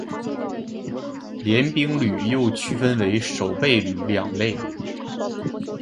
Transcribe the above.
联兵旅又区分为守备旅两类。